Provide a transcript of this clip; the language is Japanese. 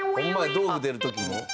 道具出る時の。